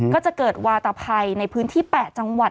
ก็จะเกิดวาตภัยในพื้นที่๘จังหวัด